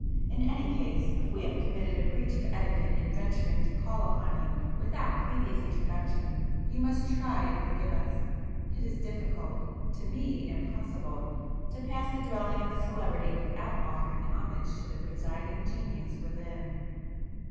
In any case if we have committed a breach of etiquette in venturing to call upon you without previous introduction, you must try and forgive us! It is difficult,—to me impossible,—to pass the dwelling of a celebrity without offering homage to the presiding genius within."